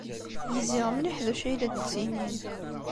Gziɣ mliḥ d acu ay la d-tettinim.